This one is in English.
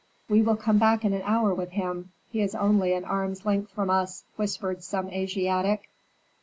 "We will come back in an hour with him. He is only an arm's length from us!" whispered some Asiatic.